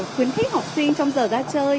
khuyến khích học sinh trong giờ ra chơi